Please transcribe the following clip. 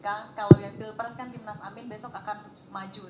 kalau yang pilpres kan tim nas amin besok akan maju